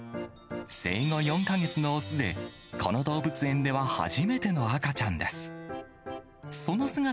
生後４か月の雄で、この動物園では初めての赤ちゃんです。